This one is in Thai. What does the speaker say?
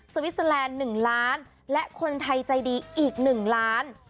วิสเตอร์แลนด์๑ล้านและคนไทยใจดีอีก๑ล้าน